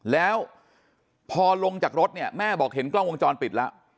แล้วพอลงจากรถเนี่ยแม่บอกเห็นกล้องวงจรปิดแล้ว